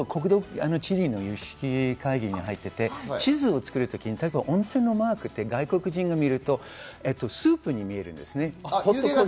国土地理院の地図の有識者会議に入っていて、地図を作るときに温泉のマークは外国人が見るとスープに見えるんです。